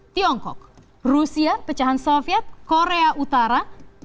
tiongkok rusia pecahan soviet korea utara